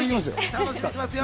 楽しみにしてますよ。